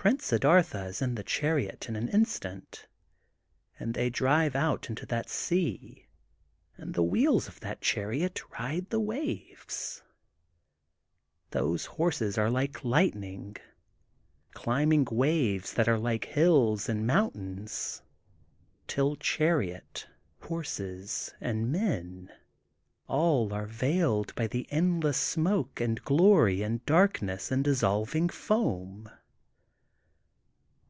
Prince Siddartha is in the chariot in an instant and they drive out into that sea and the wheels of that chariot ride the waves. Those horses are like light ning, climbing waves that are like hills and THE GOLDEN BOOK OF SPRINGFIELD 265 monntainSy till chariot, horses, and men all are veiled by the endless smoke and glory and darkness and dissolving foam.